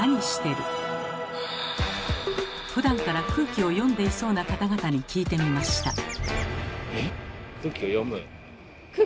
ふだんから空気を読んでいそうな方々に聞いてみました。